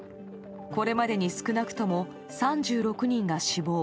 これまでに少なくとも３６人が死亡。